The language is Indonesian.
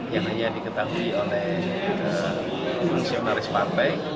yang hanya diketahui oleh fungsionaris partai